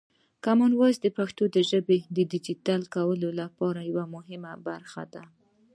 کامن وایس د پښتو ژبې د ډیجیټل کولو لپاره یوه مهمه برخه ده.